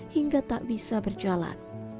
hingga tak bisa berjalan